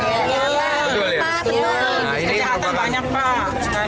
kejahatan banyak pak